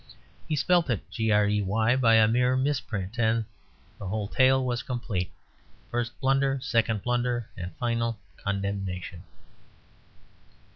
He spelt it "Grey" by a mere misprint, and the whole tale was complete: first blunder, second blunder, and final condemnation.